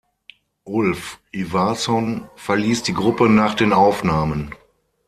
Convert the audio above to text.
Ulf Ivarsson verließ die Gruppe nach den Aufnahmen.